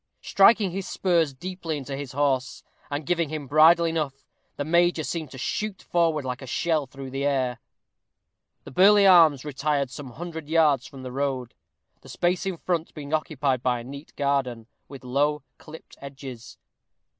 Striking his spurs deeply into his horse, and giving him bridle enough, the major seemed to shoot forward like a shell through the air. The Burleigh Arms retired some hundred yards from the road, the space in front being occupied by a neat garden, with low, clipped edges.